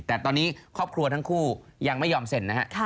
แต่ตอนนี้ครอบครัวทั้งคู่ยังไม่ยอมเซ็นนะฮะ